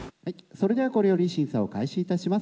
それではこれより審査を開始いたします。